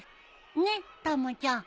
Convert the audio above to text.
ねったまちゃん。